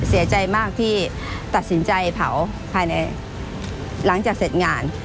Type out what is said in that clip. เสียใจมากที่ตัดสินใจเผาภายในหลังจากเสร็จงาน